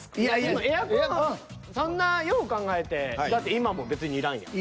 でもエアコンそんなよう考えてだって今も別にいらんやん。